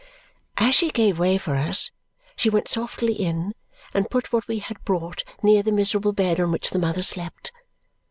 As she gave way for us, she went softly in and put what we had brought near the miserable bed on which the mother slept.